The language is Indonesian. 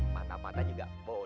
mata mata juga boleh